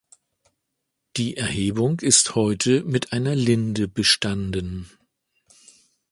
Die Erhebung ist heute mit einer Linde bestanden.